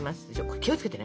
気を付けてね。